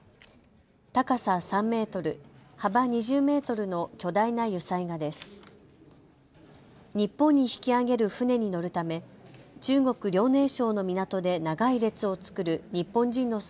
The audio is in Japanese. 高さ３メートル、幅２０メートルの巨大な油彩画です。